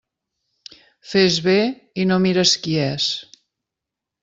Fes bé i no mires qui és.